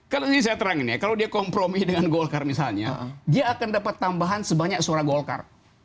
kalau dia deklarasi golkar misalnya dia akan dapat tambahan sebanyak suara golkar